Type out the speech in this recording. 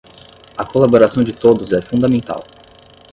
A colaboração de todos é fundamental